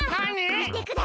みてください！